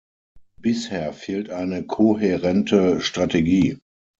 Bisher fehlt eine kohärente Strategie.